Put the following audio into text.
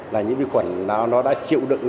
là những cái nhiễm khuẩn nó đã chịu đựng